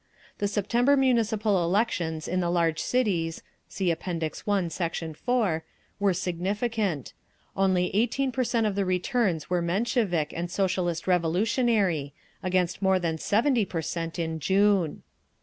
The September municipal elections in the large cities (See App. I, Sect. 4) were significant; only 18 per cent of the returns were Menshevik and Socialist Revolutionary, against more than 70 per cent in June….